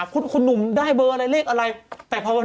คือหนูไม่ได้ไปออกค่าว่า